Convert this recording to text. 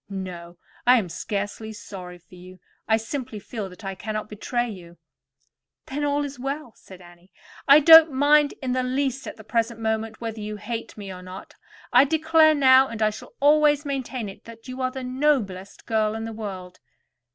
No; I am scarcely sorry for you. I simply feel that I cannot betray you." "Then, all is well," said Annie. "I don't mind in the least at the present moment whether you hate me or not. I declare now, and I shall always maintain it, that you are the noblest girl in the world."